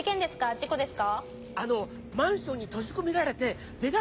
事故ですか？